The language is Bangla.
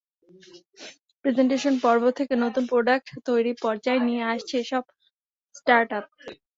প্রেজেন্টেশন পর্ব থেকে নতুন প্রোডাক্ট তৈরি পর্যায়ে নিয়ে আসছে এসব স্টার্টআপ।